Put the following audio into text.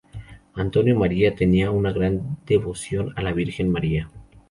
Antonio María tenía una gran devoción a la Virgen María.